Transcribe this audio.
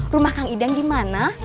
rumah kang idan di mana